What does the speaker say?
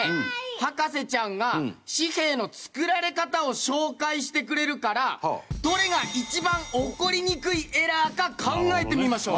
博士ちゃんが紙幣の作られ方を紹介してくれるからどれが一番起こりにくいエラーか考えてみましょう。